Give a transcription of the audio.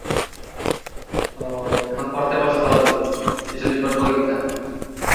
কিন্তু কোন দলই গোল করতে পারেনি।